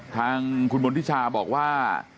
ทางคุณมณฑิชาบอกว่า